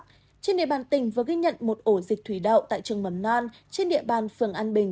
trên địa bàn tỉnh vừa ghi nhận một ổ dịch thủy đậu tại trường mầm non trên địa bàn phường an bình